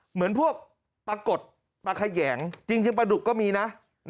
เหมือนพวกปลากดปลาแขยงจริงปลาดุกก็มีนะ